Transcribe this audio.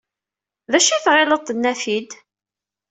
D acu ay tɣiled tenna-t-id?